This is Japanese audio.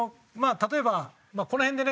例えばこの辺でね